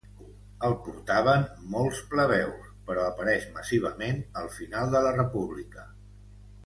El portaven molts plebeus, però apareix massivament al final de la república.